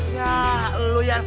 ya lu ian